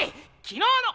昨日の。